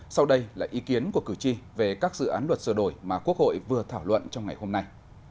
sau đây là ý kiến của cử tri về các dự án luật sửa đổi mà quốc hội vừa thảo luận trong ngày hôm nay